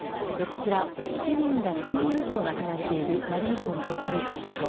こちら、市民ら１０００人以上が避難しているマリウポリの製鉄所。